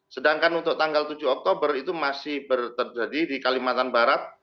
sedangkan untuk tanggal tujuh oktober itu masih terjadi di kalimantan barat